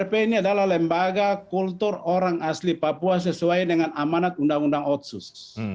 lp ini adalah lembaga kultur orang asli papua sesuai dengan amanat undang undang otsus